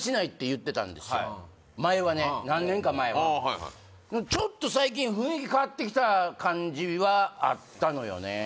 前はね何年か前はちょっと最近雰囲気変わってきた感じはあったのよね